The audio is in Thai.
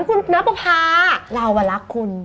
คุณนับประพาเรารักคุณ